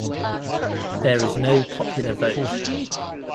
There is no popular vote.